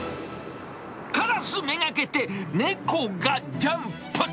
カラス目がけて猫がジャンプ。